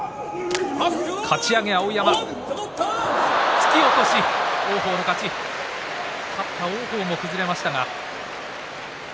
突き落とし、王鵬の勝ち勝った王鵬も崩れましたが。